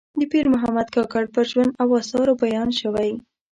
د پیر محمد کاکړ پر ژوند او آثارو بیان شوی.